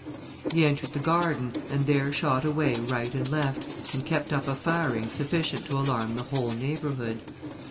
He entered the garden, and there shot away right and left, and kept up a firing sufficient to alarm the whole neighbourhood.